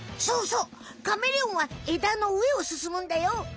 そうそうカメレオンは枝の上をすすむんだよ。